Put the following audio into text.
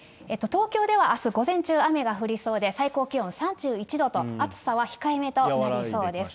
東京ではあす午前中、雨が降りそうで、最高気温３１度と、暑さは控えめとなりそうです。